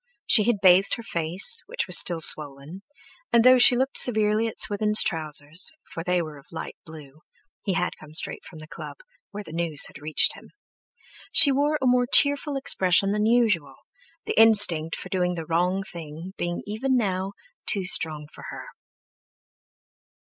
She had bathed her face, which was still swollen, and though she looked severely at Swithin's trousers, for they were of light blue—he had come straight from the club, where the news had reached him—she wore a more cheerful expression than usual, the instinct for doing the wrong thing being even now too strong for her.